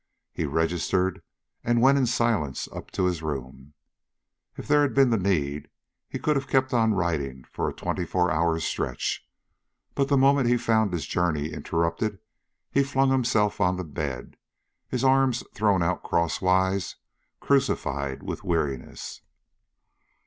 He registered and went in silence up to his room. If there had been the need, he could have kept on riding for a twenty hour stretch, but the moment he found his journey interrupted, he flung himself on the bed, his arms thrown out crosswise, crucified with weariness.